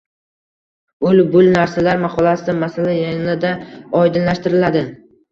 “Ul bul narsalar” maqolasida masala yanada oydinlashtiriladi.